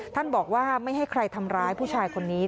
ท่านบอกว่าไม่ให้ใครทำร้ายผู้ชายคนนี้